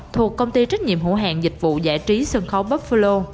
thuộc công ty trách nhiệm hữu hạn dịch vụ giải trí sân khấu buffalo